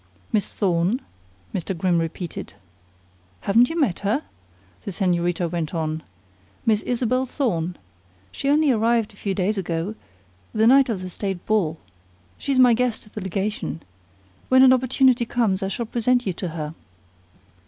"Miss Thorne?" Mr. Grimm repeated. "Haven't you met her?" the señorita went on. "Miss Isabel Thorne? She only arrived a few days ago the night of the state ball. She's my guest at the legation. When an opportunity comes I shall present you to her."